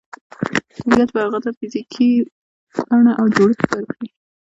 طبیعت به هغې ته فزیکي بڼه او جوړښت ورکړي